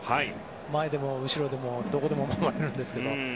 前でも後でもどこでも守れるんですけど。